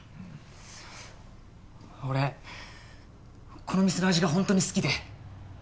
俺この店の味が本当に好きで。